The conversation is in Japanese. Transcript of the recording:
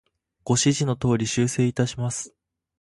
ご指示の通り、修正いたします。